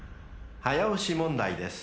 ［早押し問題です］